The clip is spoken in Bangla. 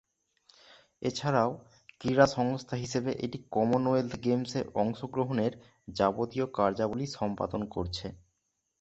এছাড়াও, ক্রীড়া সংস্থা হিসেবে এটি কমনওয়েলথ গেমসে অংশগ্রহণের যাবতীয় কার্যাবলী সম্পাদন করছে।